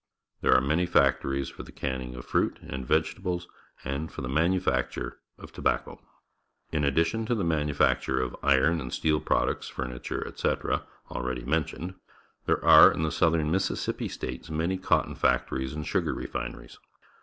There are many factories for the canning of fruit and vege tables and for the manufacture of tobacco^ "TiTaddition to the manufacture of iron and steel products, furniture, etc., already men tioned, there are in the Southern Mississippi States many c otton factories and sugar refineries.